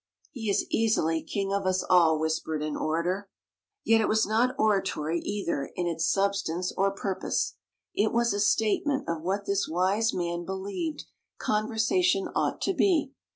"He is easily king of us all," whispered an orator. Yet it was not oratory either in its substance or purpose. It was a statement of what this wise man believed conversation ought to be.